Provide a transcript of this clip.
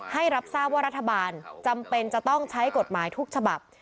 รับทราบว่ารัฐบาลจำเป็นจะต้องใช้กฎหมายทุกฉบับ